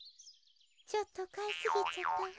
ちょっとかいすぎちゃったわ。